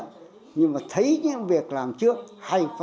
nên tôi cảm thấy sự đối tượng đãy hyalc lắm cho các anh chị